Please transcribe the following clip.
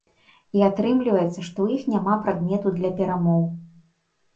І атрымліваецца, што ў іх няма прадмету для перамоў.